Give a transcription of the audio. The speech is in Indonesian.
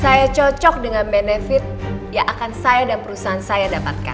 saya cocok dengan benefit yang akan saya dan perusahaan saya dapatkan